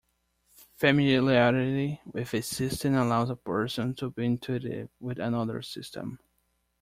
Familiarity with a system allows a person to be intuitive with another system.